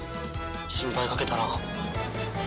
心配かけたな。